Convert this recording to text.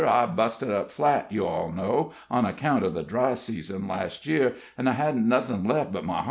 "I busted up flat, you all know, on account of the dry season, last year, an' I hadn't nothin' left but my hoss.